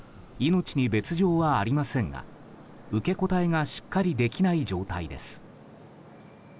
猿之助さんは命に別条はありませんが受け答えがしっかりできない状態です。